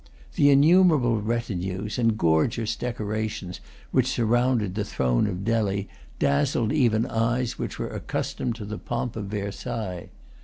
The innumerable retinues and gorgeous decorations which surrounded the throne of Delhi dazzled even eyes which were accustomed to the pomp of Versailles.